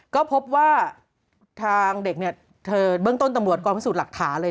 ก็พบว่าทางเด็กเบื้องต้นตำรวจกรณภาษฐ์สูตรหลักฐานเลย